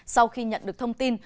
sau khi nhận được thông tin